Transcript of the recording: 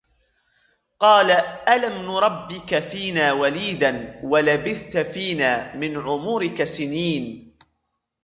قَالَ أَلَمْ نُرَبِّكَ فِينَا وَلِيدًا وَلَبِثْتَ فِينَا مِنْ عُمُرِكَ سِنِينَ